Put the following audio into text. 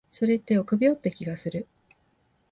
それって臆病って気がする。